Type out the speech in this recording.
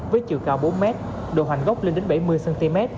với chiều cao bốn m độ hoành gốc lên đến bảy mươi cm